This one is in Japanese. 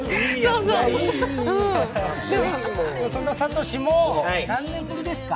そんな慧も何年ぶりですか？